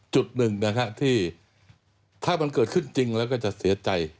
จุดหนึ่งนะฮะที่ถ้ามันเกิดขึ้นจริงแล้วก็จะเสียใจ